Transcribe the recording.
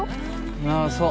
ああそう。